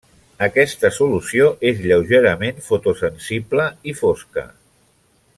Aquesta solució és lleugerament fotosensible i fosca.